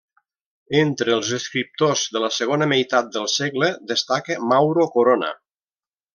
Entre els escriptors de la segona meitat del segle, destaca Mauro Corona.